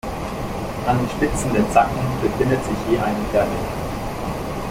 An den Spitzen der Zacken befindet sich je eine Perle.